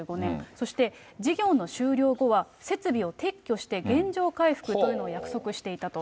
そして事業の終了後は、設備を撤去して、原状回復というのを約束していたと。